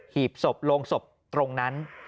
หีบศพโรงศพตรงนั้น